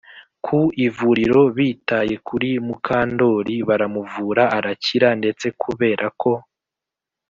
ku ivuriro bitaye kuri mukandori baramuvura arakira ndetse kubera ko